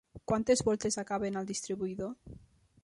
Quantes voltes acaben el distribuïdor?